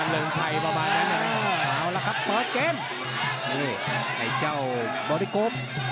เฮ้ยไอ้เจ้าบอดิโกป